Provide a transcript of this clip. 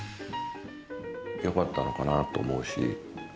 よかったのかなと思うし。